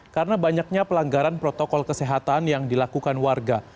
karena banyaknya pelanggaran protokol kesehatan yang dilakukan warga